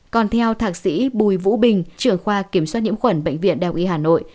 còn theo thạc sĩ bùi vũ bình trưởng khoa kiểm soát nhiễm khuẩn bệnh viện đào y hà nội